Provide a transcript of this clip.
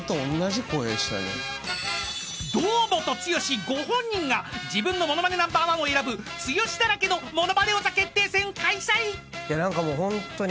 ［堂本剛ご本人が自分のものまねナンバーワンを選ぶ「剛だらけのものまね王座決定戦」開催］